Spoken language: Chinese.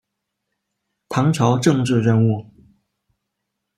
唐朝政治人物。